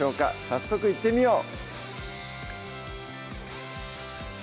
早速いってみよう！